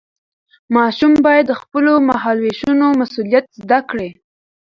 ماشوم باید د خپلو مهالوېشونو مسؤلیت زده کړي.